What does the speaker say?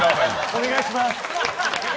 お願いします。